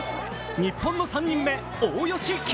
日本の３人目、大吉賢。